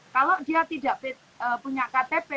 kalau dia tidak punya ktp